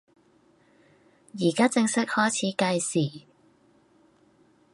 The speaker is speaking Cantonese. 依家正式開始計時